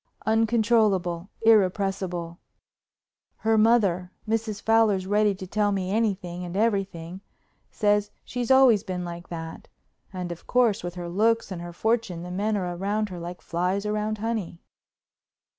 "Uncontrollable, irrepressible. Her mother—Mrs. Fowler's ready to tell me anything and everything—says she's always been like that. And, of course, with her looks and her fortune the men are around her like flies round honey."